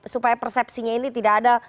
supaya persepsinya ini tidak ada